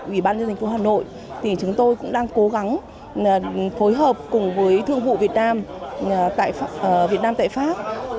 ủy ban nhân dân thành phố hà nội thì chúng tôi cũng đang cố gắng phối hợp cùng với thương vụ việt nam tại pháp